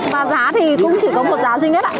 và giá thì cũng chỉ có một giá duy nhất ạ